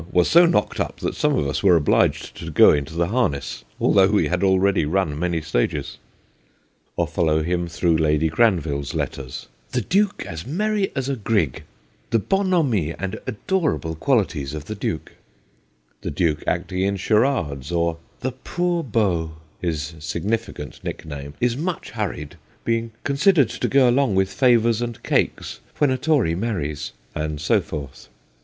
HIS MANNER 165 were so knocked up that some of us were obliged to go into the harness, although we had already run many stages/ Or follow him through Lady Granville's letters :' the Duke as merry as a grig/ ' the bonhomie and adorable qualities of the Duke/ the Duke acting in charades, or * the poor Beau/ his significant nickname, 'is much hurried, being considered to go along with favours and cakes when a Tory marries/ and so forth.